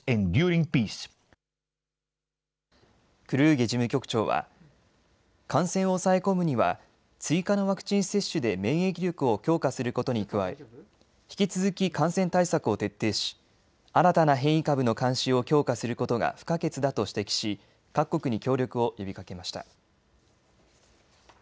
クルーゲ事務局長は感染を抑え込むには追加のワクチン接種で免疫力を強化することに加え引き続き感染対策を徹底し、新たな変異株の監視を強化することが不可欠だと指摘し各国に協力を呼びかけました。